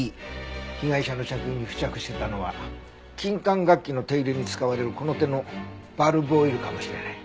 被害者の着衣に付着してたのは金管楽器の手入れに使われるこの手のバルブオイルかもしれない。